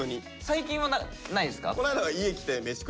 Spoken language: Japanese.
最近はないんですか？